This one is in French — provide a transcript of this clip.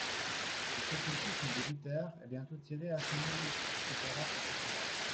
Le catéchisme de Luther est bientôt tiré à cent mille, etc., etc.